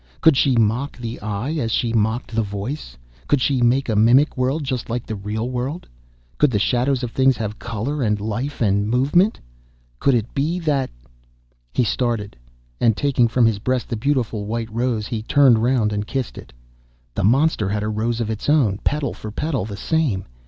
Could she mock the eye, as she mocked the voice? Could she make a mimic world just like the real world? Could the shadows of things have colour and life and movement? Could it be that—? He started, and taking from his breast the beautiful white rose, he turned round, and kissed it. The monster had a rose of its own, petal for petal the same!